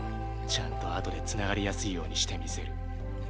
ちゃんと後でつながりやすいようにしてみせる。